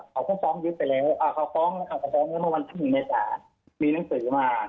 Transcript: เขาก็ช้องยึดไปแล้วเขาฟ้องแล้วเขาฟ้องแล้วเมื่อวันที่มีนักศึกษามีหนังสือมา